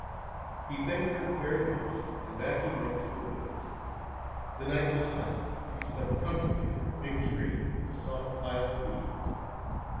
He thanked her very much and back he went to the woods. The night was hot and he slept comfortably under a big tree on a soft pile of leaves.